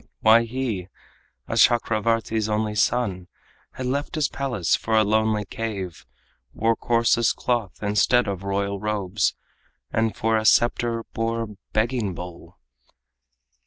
Why he, a Chakravartin's only son, Had left his palace for a lonely cave, Wore coarsest cloth instead of royal robes, And for a scepter bore a begging bowl?